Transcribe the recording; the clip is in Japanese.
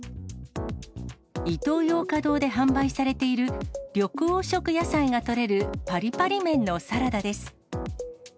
イトーヨーカドーで販売されている、緑黄色野菜がとれるパリパリ麺のサラダです。